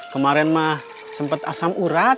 kemarin mah sempat asam urat